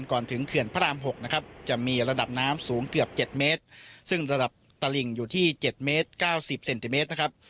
เกือบ๗เมตรซึ่งระดับตริงอยู่ที่๗เมตร๙๐เซนติเมตรนะครับ